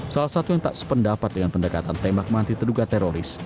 salah satu yang tak sependapat dengan pendekatan tembak mati terduga teroris